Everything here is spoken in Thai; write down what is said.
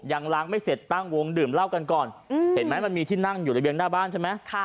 ยังล้างไม่เสร็จตั้งวงดื่มเหล้ากันก่อนเห็นไหมมันมีที่นั่งอยู่ระเบียงหน้าบ้านใช่ไหม